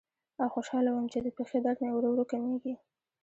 او خوشاله وم چې د پښې درد مې ورو ورو کمیږي.